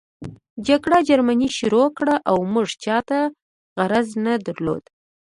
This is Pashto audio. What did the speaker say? جګړه جرمني شروع کړه او موږ چاته غرض نه درلود